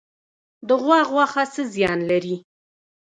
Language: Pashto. د غوا غوښه څه زیان لري؟